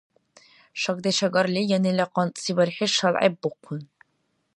Шакдешагарли янила къантӀси бархӀи шалгӀеббухъун.